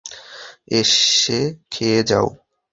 এসে খেয়ে যাও।